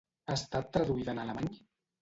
Ha estat traduïda en alemany?